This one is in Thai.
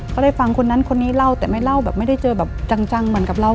ได้ฟังคนนั้นคนนี้เล่าแต่ไม่เล่าแบบไม่ได้เจอแบบจังเหมือนกับเรา